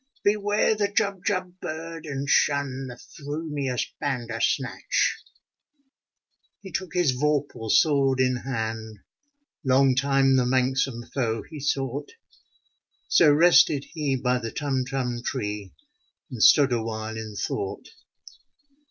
Beware the Jubjub bird, and shun The f rumious Bandersnatch !" He took his vorpal sword in hand: Long time the manxome foe he sought. So rested he by the Tumtum tree. And stood awhile in thought.